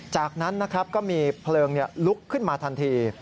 จากนั้นนะครับก็มีเพลิงลุกขึ้นมาทันที